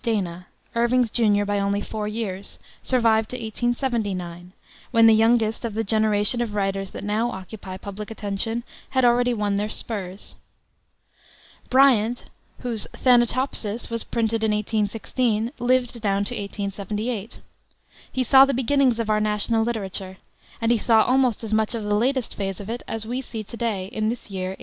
Dana Irving's junior by only four years survived to 1879, when the youngest of the generation of writers that now occupy public attention had already won their spurs. Bryant, whose Thanatopsis was printed in 1816, lived down to 1878. He saw the beginnings of our national literature, and he saw almost as much of the latest phase of it as we see to day in this year 1887.